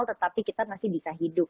tetapi kita masih bisa hidup